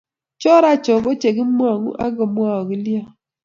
cho racho ko che kimongu ak kumwou agilyot